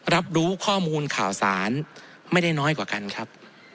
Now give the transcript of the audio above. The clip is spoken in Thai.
รับรู้ข้อมูลข่าวสารไม่ได้น้อยกว่ากันครับ